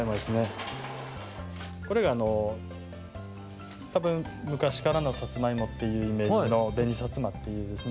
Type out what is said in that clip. これがあのたぶんむかしからのさつまいもっていうイメージの「紅さつま」っていうですね。